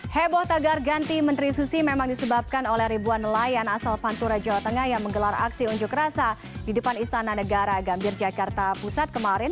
heboh tagar ganti menteri susi memang disebabkan oleh ribuan nelayan asal pantura jawa tengah yang menggelar aksi unjuk rasa di depan istana negara gambir jakarta pusat kemarin